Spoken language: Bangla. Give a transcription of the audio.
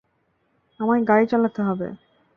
আমায় গাড়ি চালাতে হবে।